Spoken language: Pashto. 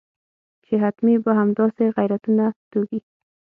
چې حتمي به همداسې غیرتونه توږي.